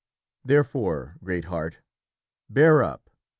Therefore, great heart, bear up!